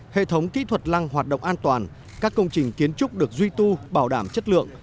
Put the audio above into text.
hệ thống kỹ thuật lăng hoạt động an toàn các công trình kiến trúc được duy tu bảo đảm chất lượng